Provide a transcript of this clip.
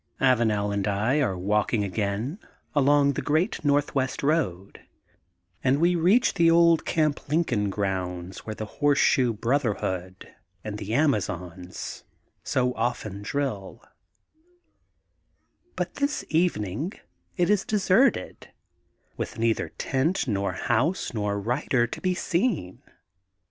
Avanel and I are walking again along the Great Northwest Boad, and we reach the Old Camp Lincoln gronnds where the Horseshoe Broth erhood and the Amazons so often drilL But this evening it is deserted, with neither tent nor horse nor rider to be seen.